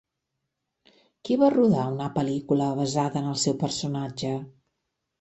Qui va rodar una pel·lícula basada en el seu personatge?